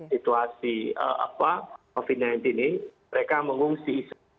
situasi covid sembilan belas ini mereka mengungsi